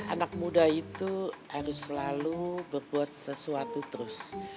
anak muda itu harus selalu berbuat sesuatu terus